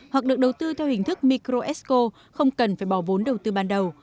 hoặc được đầu tư theo hình thức micro esco không cần phải bỏ vốn đầu tư ban đầu